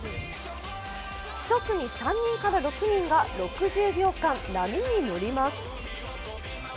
１組３人から６人が６０秒間、波に乗ります。